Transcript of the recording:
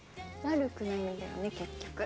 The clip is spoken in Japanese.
悪くないんだよね結局。